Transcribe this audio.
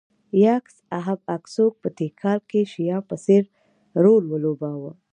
یاکس اهب اکسوک په تیکال کې شیام په څېر رول ولوباوه